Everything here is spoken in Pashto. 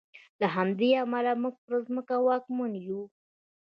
له همدې امله موږ پر ځمکه واکمن یو.